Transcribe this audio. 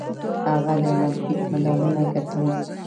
هغه د المپیک مډالونه ګټلي دي.